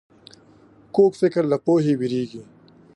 کوږ فکر له پوهې وېرېږي